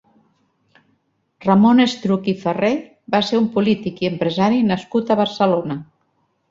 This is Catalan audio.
Ramon Estruch i Ferrer va ser un polític i empresari nascut a Barcelona.